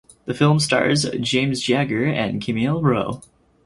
The film stars James Jagger and Camille Rowe.